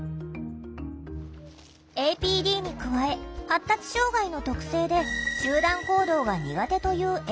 ＡＰＤに加え発達障害の特性で集団行動が苦手という笑